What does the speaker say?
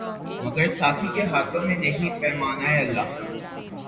مگر ساقی کے ہاتھوں میں نہیں پیمانۂ الا